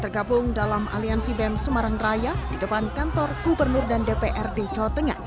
tergabung dalam aliansi bem semarang raya di depan kantor gubernur dan dprd jawa tengah